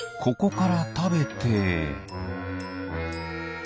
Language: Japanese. ここからたべて。